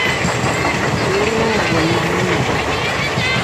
Старуха не движется.